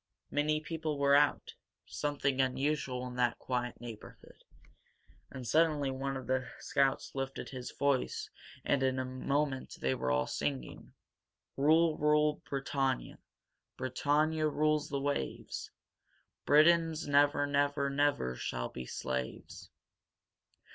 Many people were out, something unusual in that quiet neighborhood. And suddenly one of the scouts lifted his voice, and in a moment they were all singing: Rule, rule, Britannia! Britannia rules the waves! Britons never, never, never shall be slaves!